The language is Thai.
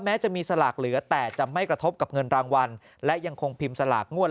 แม้จะมีสลากเหลือแต่จะไม่กระทบกับเงินรางวัลและยังคงพิมพ์สลากงวด